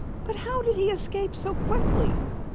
"But how did he escape so quickly?"